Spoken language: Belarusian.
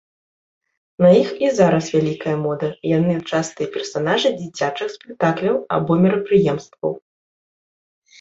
На іх і зараз вялікая мода, яны частыя персанажы дзіцячых спектакляў або мерапрыемстваў.